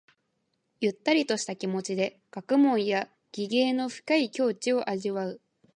ゆったりとした気持ちで学問や技芸の深い境地を味わう。